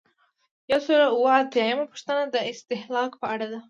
یو سل او اووه اتیایمه پوښتنه د استهلاک په اړه ده.